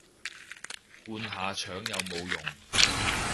灌下腸有冇用